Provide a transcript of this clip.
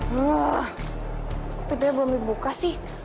wah pintunya belum dibuka sih